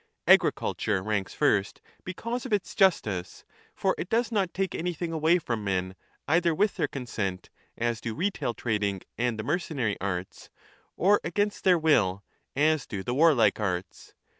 Agriculture ranks first because of its justice ; for it does not take anything away from men, either with their consent, as do retail trading and the mercenary arts, or against their will, as do the 3 warlike arts.